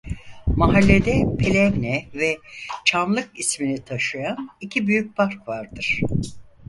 Mahallede Plevne ve Çamlık ismini taşıyan iki büyük park vardır.